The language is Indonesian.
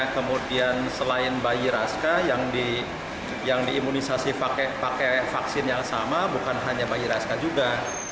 kemudian selain bayi raska yang diimunisasi pakai vaksin yang sama bukan hanya bayi raska juga